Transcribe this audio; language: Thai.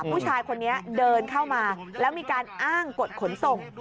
ผู้ชายคนนี้เดินเข้ามาแล้วมีการอ้างกฎขนส่ง